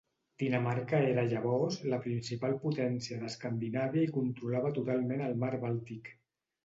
Dinamarca era llavors la principal potència d'Escandinàvia i controlava totalment el Mar Bàltic.